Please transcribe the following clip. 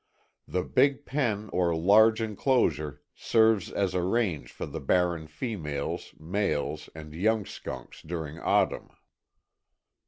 The big pen or large enclosure, serves as a range for the barren females, males, and young skunks during autumn.